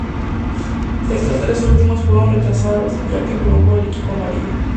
Éstos tres últimos fueron rechazados, ya que firmó por el equipo amarillo.